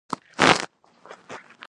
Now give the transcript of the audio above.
د معدني اوبو فابریکې څومره دي؟